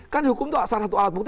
kan dihukum itu salah satu alat bukti